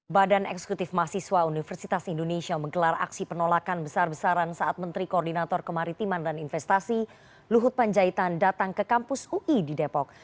badan eksekutif mahasiswa universitas indonesia menggelar aksi penolakan besar besaran saat menteri koordinator kemaritiman dan investasi luhut panjaitan datang ke kampus ui di depok